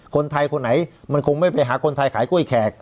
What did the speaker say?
คนไทยคนไหนมันคงไม่ไปหาคนไทยขายกล้วยแขก